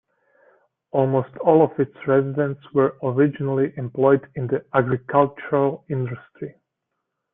Almost all of its residents were originally employed in the agricultural industry.